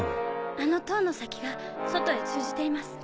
あの塔の先が外へ通じています。